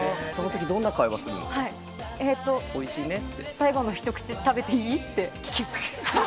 最後の一口食べていい？って聞きます。